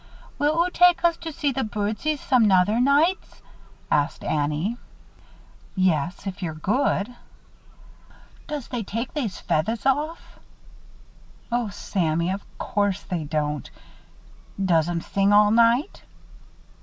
"Will oo take us to see the birdses some nother nights?" asked Annie. "Yes, if you're good." "Does 'em take they's feathers off?" "Oh, Sammy! Of course they don't." "Does 'em sing all night?"